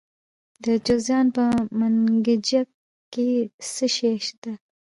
د جوزجان په منګجیک کې څه شی شته؟